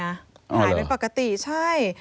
หายเป็นปกติใช่